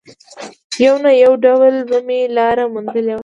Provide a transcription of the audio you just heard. يو نه يو ډول به مې لاره موندلې وای.